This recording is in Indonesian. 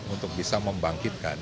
untuk bisa membangkitkan